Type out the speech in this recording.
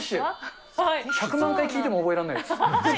１００万回聞いても覚えられないです。